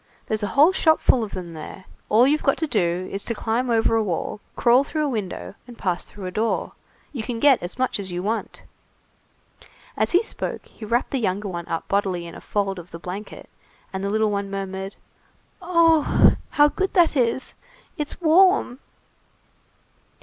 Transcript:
There's a whole shopful of them there. All you've got to do is to climb over a wall, crawl through a window, and pass through a door. You can get as much as you want." As he spoke, he wrapped the younger one up bodily in a fold of the blanket, and the little one murmured:— "Oh! how good that is! It's warm!"